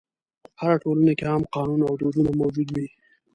هره ټولنه کې عام قانون او دودونه موجود وي.